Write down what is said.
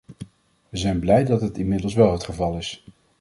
Wij zijn blij dat het inmiddels wel het geval is.